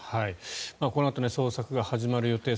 このあと捜索が始まる予定